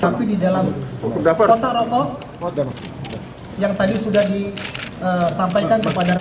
tapi di dalam rontok rokok yang tadi sudah disampaikan kepada